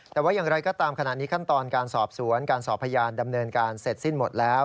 แต่ว่าอย่างไรก็ตามขณะนี้ขั้นตอนการสอบสวนการสอบพยานดำเนินการเสร็จสิ้นหมดแล้ว